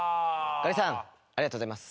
ガリさんありがとうございます。